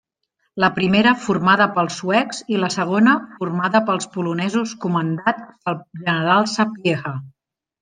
La primera formada pels suecs i la segona formada pels polonesos comandats pel general Sapieha.